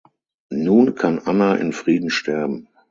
Nun kann Anna in Frieden sterben.